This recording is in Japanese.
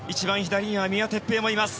三輪哲平もいます。